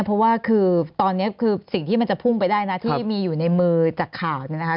เพราะว่าคือตอนนี้คือสิ่งที่มันจะพุ่งไปได้นะที่มีอยู่ในมือจากข่าวเนี่ยนะคะ